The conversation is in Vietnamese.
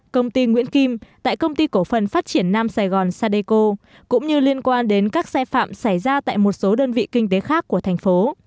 công ty nguyễn kim tại công ty cổ phần phát triển nam sài gòn sadeco cũng như liên quan đến các sai phạm xảy ra tại một số đơn vị kinh tế khác của thành phố